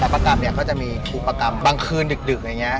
แต่ประกรรมเนี่ยก็จะมีอุปกรรมบางคืนดึกอย่างนี้